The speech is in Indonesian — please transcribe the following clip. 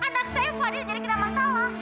anak saya fadil jadi kena masalah